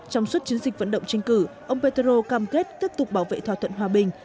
trong suốt chiến dịch vận động tranh cử ông petero cam kết tiếp tục bảo vệ thỏa thuận hòa bình